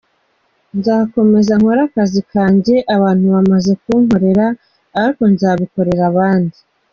Nzakomeza nkore akazi kanjye abantu bamaze kunkorera, ariko nzabikorera abandi.